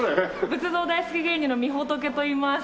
仏像大好き芸人のみほとけといいます。